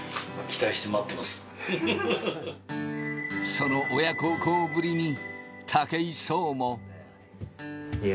その親孝行ぶりに武井壮も。